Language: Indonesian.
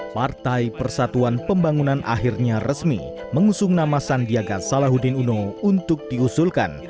partai persatuan pembangunan akhirnya resmi mengusung nama sandiaga salahuddin uno untuk diusulkan